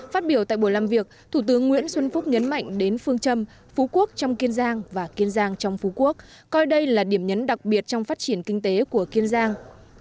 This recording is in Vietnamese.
phát biểu tại buổi làm việc thủ tướng nguyễn xuân phúc nhấn mạnh đến phương châm phú quốc trong kiên giang và kiên giang trong phú quốc coi đây là điểm nhấn đặc biệt trong phát triển kinh tế của kiên giang